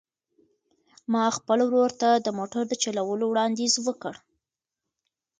ما خپل ورور ته د موټر د چلولو وړاندیز وکړ.